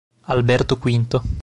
Alberto V